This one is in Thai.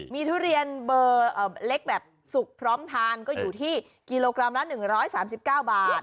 มีทุเรียนเบอร์เล็กแบบสุกพร้อมทานก็อยู่ที่กิโลกรัมละ๑๓๙บาท